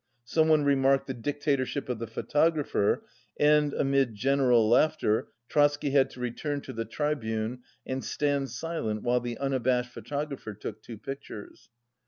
Some one remarked "The Dictatorship of the Photographer," and, amid general laughter, Trotsky had to return to the tribune and stand silent while the unabashed pho tographer took two pictures.